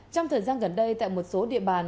trong thời gian gần đây tại một số địa bàn